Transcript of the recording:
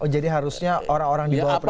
jadi harusnya orang orang dibawa presiden